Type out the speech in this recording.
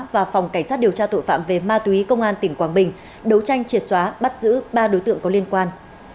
và phòng cảnh sát điều tra tội phạm về ma túy công an tỉnh quảng bình đấu tranh triệt xóa bắt giữ ba đối tượng có liên quan